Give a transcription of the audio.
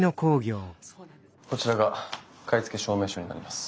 こちらが買付証明書になります。